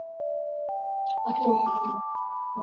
Uki penda kumu chokoza mama yangu wende urime pashipo ku mulomba